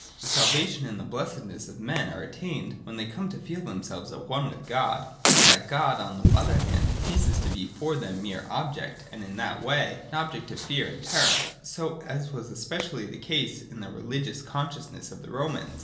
The salvation and the blessedness of men are attained when they come to feel themselves at one with God, so that God, on the other hand, ceases to be for them mere object, and, in that way, an object of fear and terror, as was especially the case with the religious consciousness of the Romans.